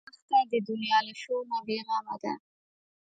دښته د دنیا له شور نه بېغمه ده.